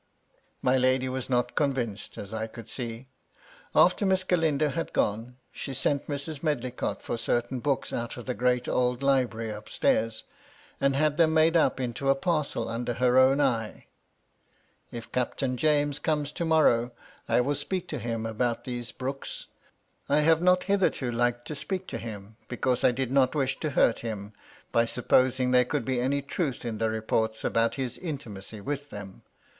My lady was not convinced, as I could see. After Miss Galindo had gone, she sent Mrs. Medlicott for certain books out of the great old library up stairs, and had them made up into a parcel under her own eye. " If Captain James comes to morrow, I will speak to him about these Brookes. I have not hitherto liked to speak to him, because I did not wish to hurt him, by supposing there could be any truth in the reports about his intimacy with them.